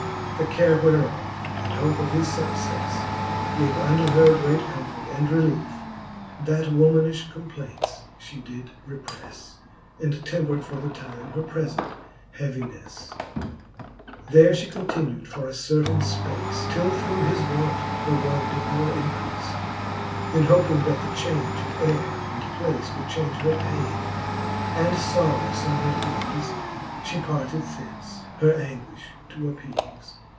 The care whereof, and hope of his fuccelTe Gave unto her great comfort and reliefe, That womanifh complaints fhe did reprefle, And tempred for the time her prelent heavineffe. Q^ 2, XLV. There ii6 ^he fifth Booke of 'Canto VII. XLV. There flie continu'd^ for a certaine fpace, Till through his want her woe did more increafe : Then hoping, that the change of aire and place Would change her paine, and forrow fomewhat eafe, She parted thence, her anguish to appeafe.